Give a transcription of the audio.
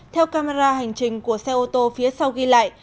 theo camera hành trình của xe ô tô phía sau ghi lại